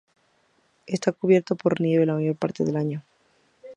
Está cubierto por la nieve la mayor parte del año.